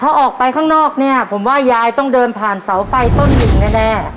สาวไฟข้างนอกนี้ผมว่ายายต้องเดินผ่านเสาไฟต้น๑แน่